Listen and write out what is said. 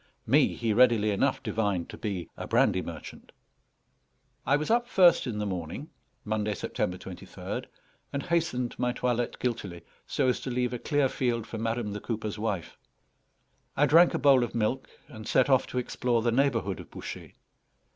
Me he readily enough divined to be a brandy merchant. I was up first in the morning (Monday, September 23rd), and hastened my toilette guiltily, so as to leave a clear field for madam, the cooper's wife. I drank a bowl of milk, and set off to explore the neighbourhood of Bouchet.